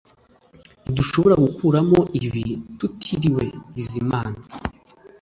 Ntidushobora gukuramo ibi tutiriwe Bizimana